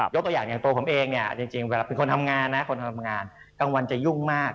ยกตัวอย่างที่ตัวผมเองจริงเวลาเป็นคนทำงานครั้งวันจะยุ่งมาก